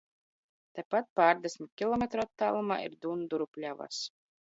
Tepat pārdesmit kilometru attālumā ir Dunduru pļavas.